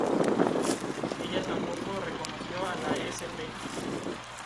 Ella tampoco reconoció a la sp.